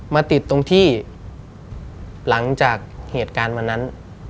มาติดตรงที่หลังจากเหตุการณ์วันนั้น